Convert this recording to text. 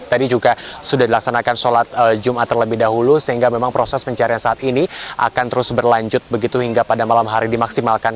tadi juga sudah dilaksanakan sholat jumat terlebih dahulu sehingga memang proses pencarian saat ini akan terus berlanjut begitu hingga pada malam hari dimaksimalkan